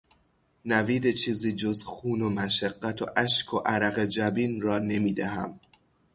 نوید چیزی جز خون و مشقت و اشک و عرق جبین را نمیدهم.